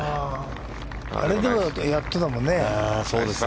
あれでやっとだもんね。